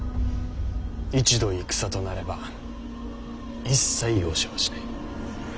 一度戦となれば一切容赦はしない。